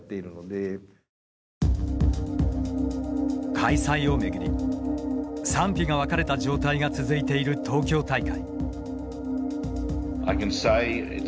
開催を巡り、賛否が分かれた状態が続いている東京大会。